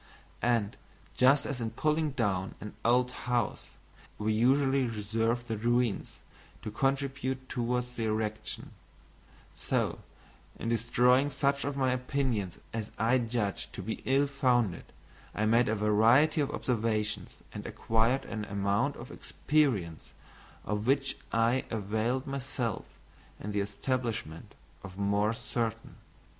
And, just as in pulling down an old house, we usually reserve the ruins to contribute towards the erection, so, in destroying such of my opinions as I judged to be Ill founded, I made a variety of observations and acquired an amount of experience of which I availed myself in the establishment of more certain.